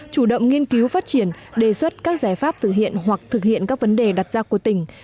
chủ động nghiên cứu phát triển đề xuất các giải pháp thực hiện hoặc thực hiện các vấn đề đặt ra của tỉnh